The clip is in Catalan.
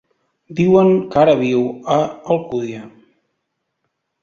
Diuen que ara viu a Alcúdia.